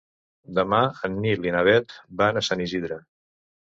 Demà en Nil i na Bet van a Sant Isidre.